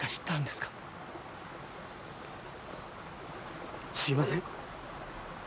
すいません。